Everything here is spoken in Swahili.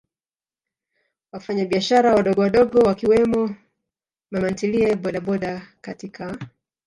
wafanyabiashara wadogowadogo Wakiwemo mamantilie bodaboda katika